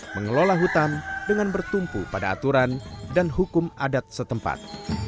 mengelola hutan dengan bertumpu pada aturan dan hukum adat setempat